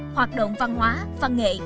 hoạt động văn hóa văn nghệ